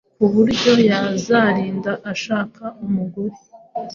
ku buryo yazarinda ashaka umugore